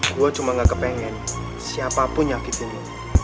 gue cuma gak kepengen siapapun nyakitin lo